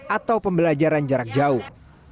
atau pembelajaran jarak jauh